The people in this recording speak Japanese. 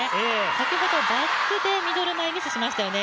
先ほどバックでミドル前、ミスしましたよね